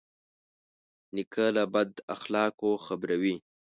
نیکه له بد اخلاقو خبروي.